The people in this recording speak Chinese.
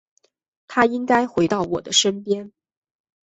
他应该回到我的身边